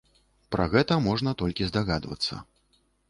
Пра гэта можна толькі здагадвацца.